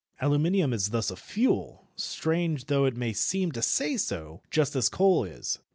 Aluminium is thus a fuel, strange though it may seem to say so, just as coal is.